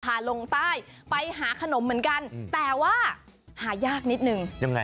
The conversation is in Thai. ลงใต้ไปหาขนมเหมือนกันแต่ว่าหายากนิดนึงยังไง